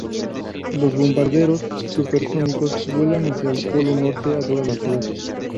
Los bombarderos supersónicos vuelan hacia el Polo Norte a toda velocidad.